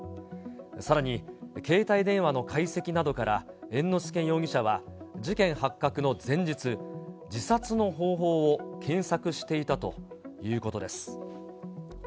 さらに携帯電話の解析などから、猿之助容疑者は事件発覚の前日、自殺の方法を検索していたということです。